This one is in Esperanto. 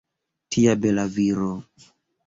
Tia bela viro!